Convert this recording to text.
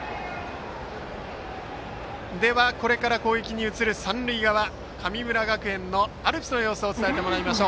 これから攻撃に移る三塁側神村学園のアルプスの様子を伝えてもらいます。